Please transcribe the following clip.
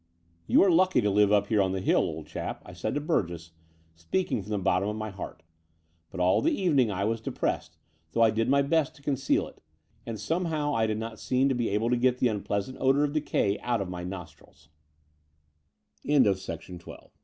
"You are lucky to live up here on the hill, old chap," I said to Burgess, speaking from the bottom of my heart: but all the evening I was depressed, though I did my best to conceal it, and somehow I did not seem able to get the unpleasant odour of decay out of my n